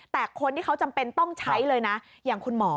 แต่คนที่เขาจำเป็นต้องใช้เลยนะอย่างคุณหมอ